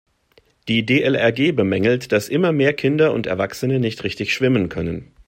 Die DLRG bemängelt, dass immer mehr Kinder und Erwachsene nicht richtig schwimmen können.